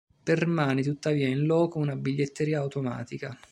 Permane tuttavia in loco una biglietteria automatica.